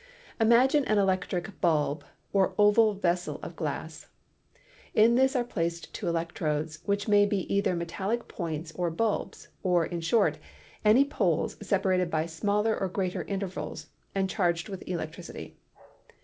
Imagine an electric bulb or oval vessel of glass. In this are placed two electrodes, which may be either metallic points or bulbs, or, in short, any poles separated by smaller or greater intervals and charged with electricity.